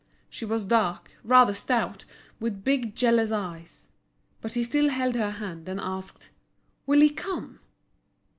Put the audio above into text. She was dark, rather stout, with big jealous eyes. But he still held her hand and asked: "Will he come?"